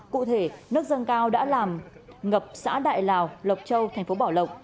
cụ thể nước dâng cao đã làm ngập xã đại lào lộc châu thành phố bảo lộc